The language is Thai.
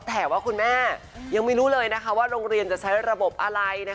แต่ว่าคุณแม่ยังไม่รู้เลยว่าโรงเรียนจะใช้ระบบอะไร